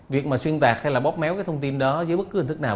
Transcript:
việc mà xuyên tạc hay là bóp méo cái thông tin đó dưới bất cứ hình thức nào